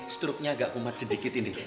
stroke nya agak kumat sedikit ini